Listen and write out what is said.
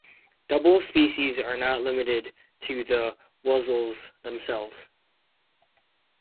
Double species are not limited to the Wuzzles themselves.